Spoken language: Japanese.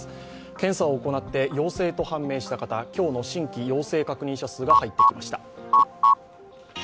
検査を行って陽性と判明した方、今日の新規陽性確認者数が入ってきました。